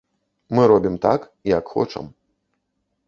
Мы робім так, як хочам.